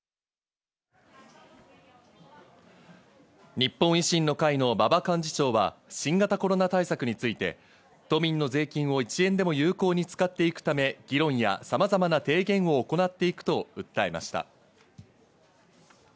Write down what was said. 日本維新の会の馬場幹事長は新型コロナ対策について都民の税金を１円でも有効に使っていくため、議論やさまざまな提言を行っていくと訴えました。